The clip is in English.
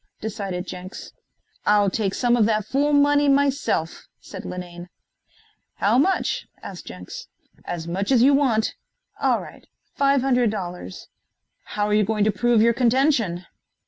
decided Jenks. "I'll take some of that fool money myself," said Linane. "How much?" asked Jenks. "As much as you want." "All right five hundred dollars." "How you going to prove your contention?"